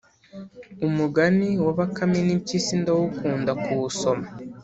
Umugani wabakame n’ impyisi ndawukunda kuwusoma